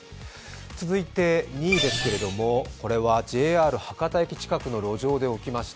続いて２位ですけれども、これはＪＲ博多駅近くの路上で起きました。